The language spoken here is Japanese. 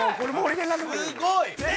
すごい！